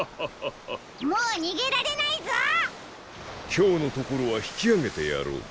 きょうのところはひきあげてやろう。